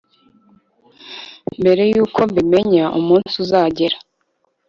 mbere yuko mbimenya, umunsi uzagera